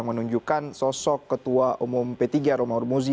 menunjukkan sosok ketua umum p tiga romo ormuzi